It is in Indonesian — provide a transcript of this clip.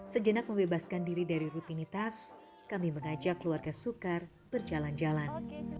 sejenak membebaskan diri dari rutinitas kami mengajak keluarga sukar berjalan jalan